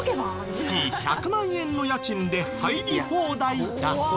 月１００万円の家賃で入り放題だそう。